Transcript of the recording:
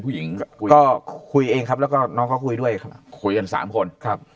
ผู้หญิงคุยก็คุยเองครับแล้วก็น้องเขาคุยด้วยครับคุยกันสามคนครับ